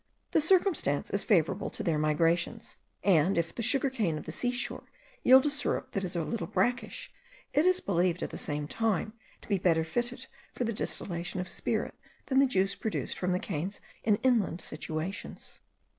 This circumstance is favourable to their migrations; and if the sugarcane of the sea shore yield a syrup that is a little brackish, it is believed at the same time to be better fitted for the distillation of spirit than the juice produced from the canes in inland situations.